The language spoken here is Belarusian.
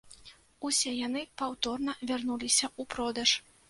Усе яны паўторна вярнуліся ў продаж.